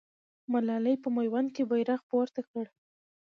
ملالۍ په میوند کې بیرغ پورته کړ.